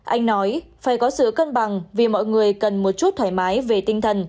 anh nói phải có sự cân bằng vì mọi người cần một chút thoải mái về tinh thần